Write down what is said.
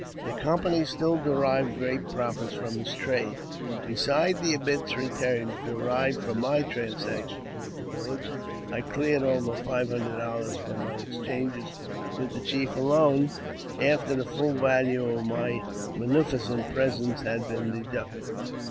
The company still derived great profits from his trade. Besides the immense returns derived from my transactions with the village, I cleared over five hundred dollars from my exchanges with the chief alone, after the full value of my munificei presents had been deducted.